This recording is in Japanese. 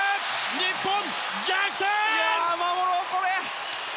日本逆転！